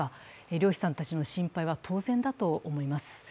漁師さんたちの心配は当然だと思います。